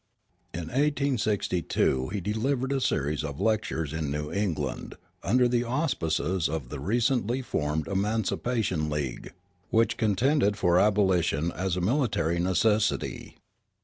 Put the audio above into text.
In 1862 he delivered a series of lectures in New England under the auspices of the recently formed Emancipation League, which contended for abolition as a military necessity.